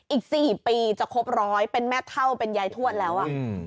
อีก๔ปีจะครบร้อยเป็นแม่เท่าเป็นยายทวดแล้ว